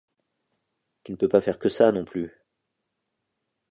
Tu ne peux pas faire que ça, non plus.